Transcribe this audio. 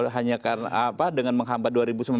hanya karena menghambat